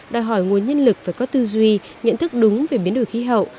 đòi hỏi nguồn nhân lực phải có tư duy nhận thức đúng về biến đổi khí hậu